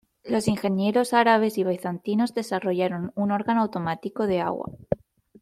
Los ingenieros árabes y bizantinos desarrollaron un órgano automático de agua.